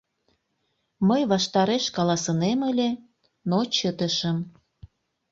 Мый ваштареш каласынем ыле, но чытышым.